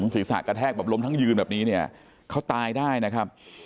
ศีรษะกระแทกแบบล้มทั้งยืนแบบนี้เนี่ยเขาตายได้นะครับ